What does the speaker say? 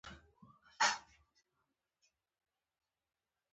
تاسو څه دنده لرئ؟